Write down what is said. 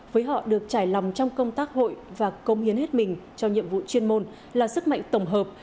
với họ được trải lòng trong công tác hội và công hiến hết mình cho nhiệm vụ chuyên môn là sức mạnh tổng hợp